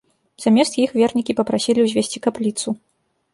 Замест іх вернікі папрасілі ўзвесці капліцу.